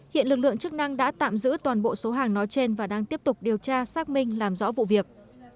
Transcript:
hiện lực lượng chức năng đã tạm giữ toàn bộ số hàng nói trên và đang tiếp tục điều tra xác minh làm rõ vụ việc